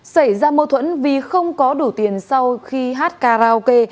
xảy ra mâu thuẫn vì không có đủ tiền sau khi hát karaoke